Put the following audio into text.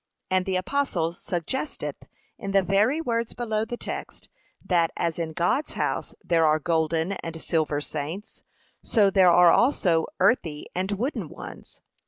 And the apostle suggesteth in the very words below the text, that as in God's house there are golden and silver saints, so there are also earthy and wooden ones.